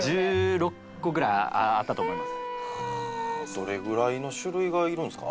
どれぐらいの種類がいるんですか？